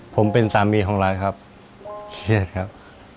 ผมเป็นสามีของเราครับเครียดครับ